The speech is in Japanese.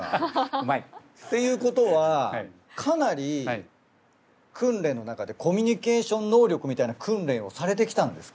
うまい。っていうことはかなり訓練の中でコミュニケーション能力みたいな訓練をされてきたんですか？